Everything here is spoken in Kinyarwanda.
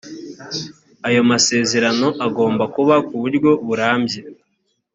ayo masezerano agomba kuba ku buryo burambye